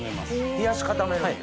冷やし固めるんや。